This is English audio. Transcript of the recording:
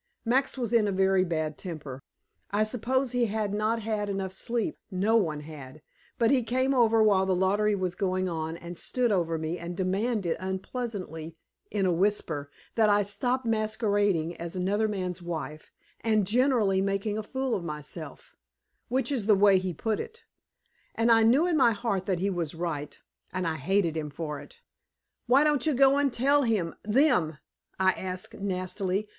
Max was in a very bad temper; I suppose he had not had enough sleep no one had. But he came over while the lottery was going on and stood over me and demanded unpleasantly, in a whisper, that I stop masquerading as another man's wife and generally making a fool of myself which is the way he put it. And I knew in my heart that he was right, and I hated him for it. "Why don't you go and tell him them?" I asked nastily.